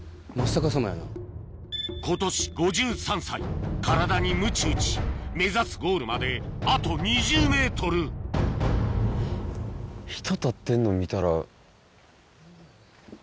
今年５３歳体にむち打ち目指すゴールまであと２０ｍよいしょ。